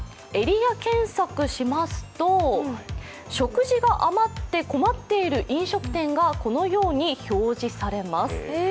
エリア検索しますと、食事が余って困っている飲食店がこのように表示されます。